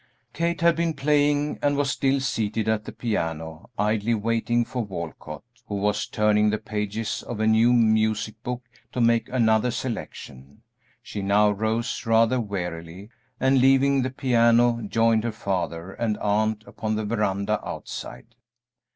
Kate had been playing, and was still seated at the piano, idly waiting for Walcott, who was turning the pages of a new music book, to make another selection. She now rose rather wearily, and, leaving the piano, joined her father and aunt upon the veranda outside.